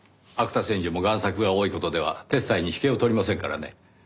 芥千壽も贋作が多い事では鉄斎に引けを取りませんからね。